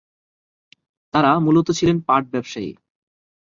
তারা মূলত ছিলেন পাট ব্যবসায়ী।